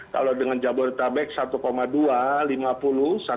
kalau dengan jabodetabek satu dua triliun